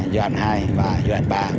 gioi đoạn hai và gioi đoạn ba